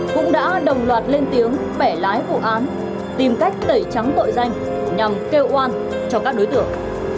cũng đã đồng loạt lên tiếng bẻ lái vụ án tìm cách tẩy trắng tội danh nhằm kêu oan cho các đối tượng